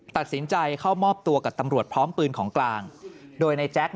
ตัดสินใจเข้ามอบตัวกับตำรวจพร้อมปืนของกลางโดยในแจ๊ค